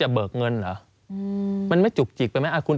สำหรับสนุนโดยหวานได้ทุกที่ที่มีพาเลส